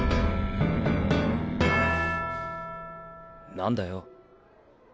何だよ。